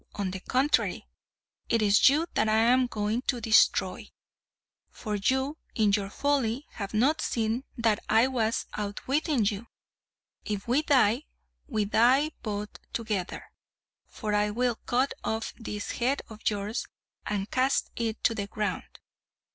On the contrary, is it you that I am going to destroy. For you in your folly have not seen that I was outwitting you. If we die, we die both together; for I will cut off this head of yours, and cast it to the ground!"